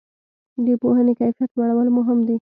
د پوهنې کیفیت لوړول مهم دي؟